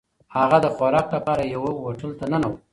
هغه د خوراک لپاره یوه هوټل ته ننووت.